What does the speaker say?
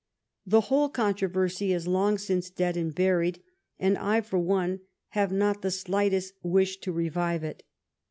The whole controversy is long since dead and buried, and I, for one, have not the slightest wish to revive it.